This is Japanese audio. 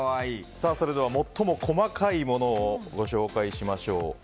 それでは最も細かいものをご紹介しましょう。